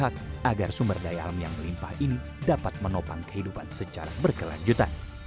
hak agar sumber daya alam yang melimpah ini dapat menopang kehidupan secara berkelanjutan